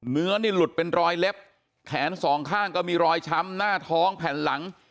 เนื้อนี่หลุดเป็นรอยเล็บแขนสองข้างก็มีรอยช้ำหน้าท้องแผ่นหลัง